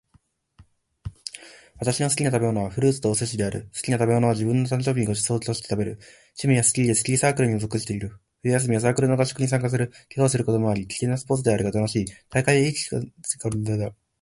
私の好きな食べ物は、フルーツとお寿司である。好きな食べ物は自分の誕生日にごちそうとして食べる。趣味はスキーで、スキーサークルにも属している。冬休みは、サークルの合宿に参加する。怪我をすることもあり危険なスポーツであるが、楽しい。大会でいい記録を残せるように頑張りたい。